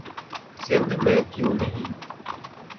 سندھ میں کیوں نہیں؟